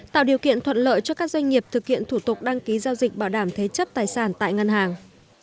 tạo điều kiện thuận lợi cho các doanh nghiệp thực hiện thủ tục đăng ký giao dịch bảo đảm thế chấp tài sản tại ngân hàng